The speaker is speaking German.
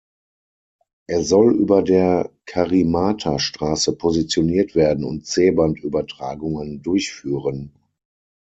Er soll über der Karimata-Straße positioniert werden und C-Band Übertragungen durchführen.